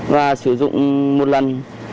và sử dụng một lần